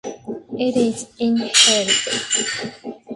It is inhaled.